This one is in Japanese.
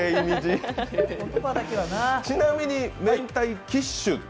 ちなみに明太キッシュ